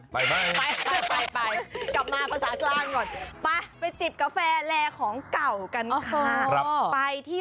ไปเหอะไปเหอะไป